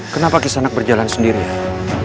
kenapa kisanat berjalan sendirian